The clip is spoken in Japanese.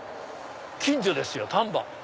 近所ですよ丹波。